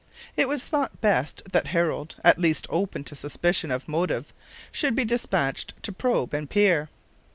It was thought best that Harold, as least open to suspicion of motive, should be despatched to probe and peer.